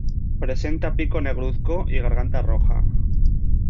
Presenta pico negruzco y garganta roja.